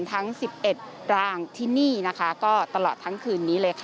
ทั้ง๑๑ร่างที่นี่ตลอดทั้งคืนนี้เลย